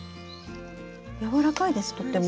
やわらかいですとっても。